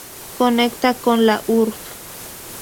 Conecta con la Urb.